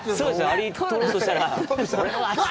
アリを取ろうとしたら。